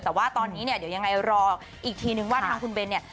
แต่ว่าตอนนี้เนี่ยเดี๋ยวยังไงรออีกทีนึงว่าทางคุณเบนเนี่ย